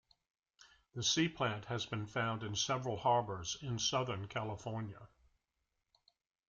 The sea plant has been found in several harbors in southern California.